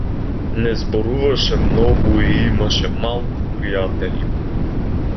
Не зборуваше многу и имаше малку пријатели.